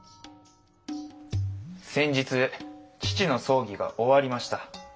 先日父の葬儀が終わりました。